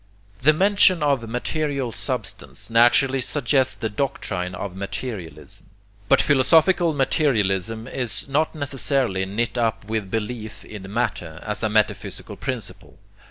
The mention of material substance naturally suggests the doctrine of 'materialism,' but philosophical materialism is not necessarily knit up with belief in 'matter,' as a metaphysical principle.